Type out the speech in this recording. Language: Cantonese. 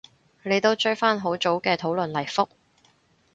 你都追返好早嘅討論嚟覆